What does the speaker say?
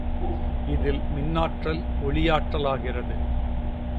இதில் மின்னாற்றல் ஒலியாற்றலாகிறது.